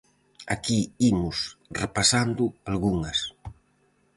Aquí imos repasando algunhas.